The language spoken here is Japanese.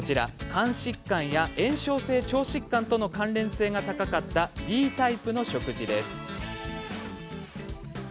肝疾患や炎症性腸疾患との関連性が高かったＤタイプの食事です。